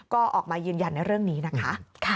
ก็ออกมายืนยันในเรื่องนี้นะคะ